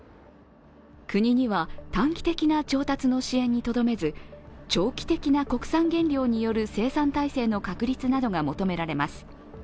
国には短期的な調達の支援にとどめず長期的な国産原料による生産体制の確立などが求められます。